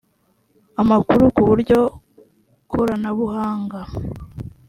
iii amakuru k uburyo koranabuhanga